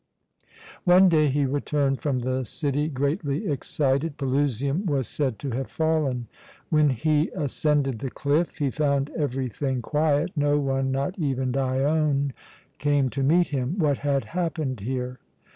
One day he returned from the city greatly excited. Pelusium was said to have fallen. When he ascended the cliff he found everything quiet. No one, not even Dione, came to meet him. What had happened here?